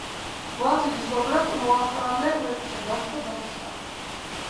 ვაზირი სოგრატ, მოახლე მეფისა დასთა დასისა;